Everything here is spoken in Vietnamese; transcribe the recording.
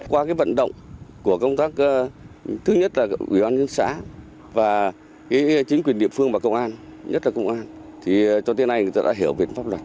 qua cái vận động của công tác thứ nhất là ủy ban nhân xã và chính quyền địa phương và công an nhất là công an cho tới nay người ta đã hiểu về pháp luật